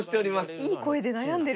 いい声で悩んでる。